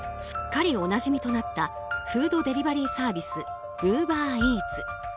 すっかりおなじみとなったフードデリバリーサービスウーバーイーツ。